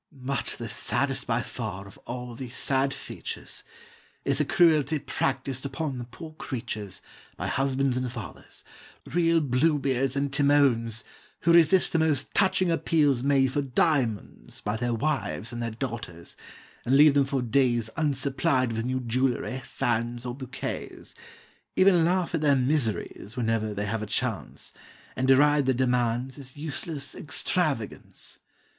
But the saddest by far of all these sad features Is the cruelty practised upon the poor creatures By husbands and fathers, real Bluebeards and Timons, Who resist the most touching appeals made for diamonds By their wives and their daughters, and leave them for days Unsupplied with new jewelry, fans, or bouquets, Even laugh at their miseries whenever they have a chance, And deride their demands as useless extravagance.